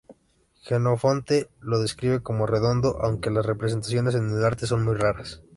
Jenofonte lo describe como "redondo", aunque las representaciones en el arte son muy raras.